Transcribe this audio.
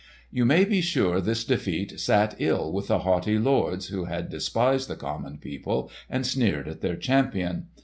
You may be sure this defeat sat ill with the haughty lords who had despised the common people and sneered at their champion.